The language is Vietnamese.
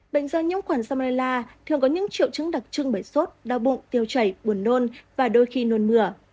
bệnh do nhiễm khuẩn salmerla thường có những triệu chứng đặc trưng bởi sốt đau bụng tiêu chảy buồn nôn và đôi khi nôn mửa